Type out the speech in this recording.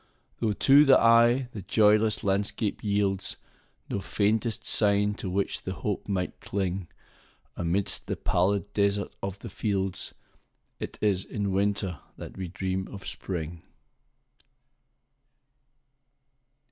Though, to the eye, the joyless landscape yieldsNo faintest sign to which the hope might cling,—Amidst the pallid desert of the fields,—It is in Winter that we dream of Spring.